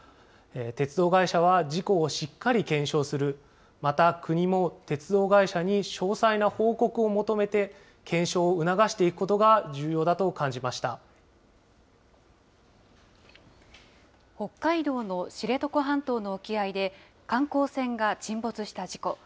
鉄道会社は事故をしっかり検証する、また、国も鉄道会社に詳細な報告を求めて検証を促していくことが重要だ北海道の知床半島の沖合で、観光船が沈没した事故。